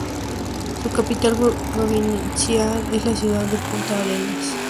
Su capital provincial es la ciudad de Punta Arenas.